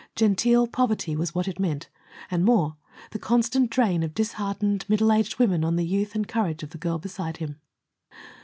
Genteel poverty was what it meant, and more the constant drain of disheartened, middle aged women on the youth and courage of the girl beside him.